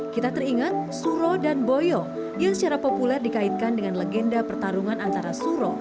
kita teringat suro dan boyo yang secara populer dikaitkan dengan legenda pertarungan antara suro